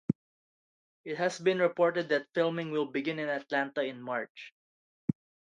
It has been reported that filming will begin in Atlanta in March.